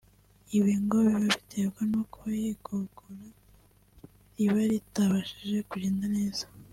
ibi ngo biba biterwa n’uko igogora riba ritabashije kugenda neza